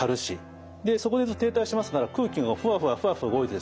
でそこで停滞してますから空気がふわふわふわふわ動いてですね